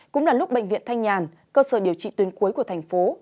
cũng là lúc bệnh viện thanh nhàn cơ sở điều trị tuyến cuối của thành phố